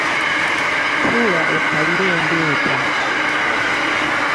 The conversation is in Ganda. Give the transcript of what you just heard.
Tuula okkalire ndeeta.